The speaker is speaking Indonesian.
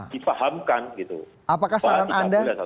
dipahamkan gitu apakah saran anda